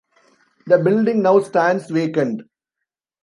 The building now stands vacant.